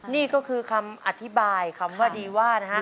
นี่ก็คือคำอธิบายคำว่าดีว่านะฮะ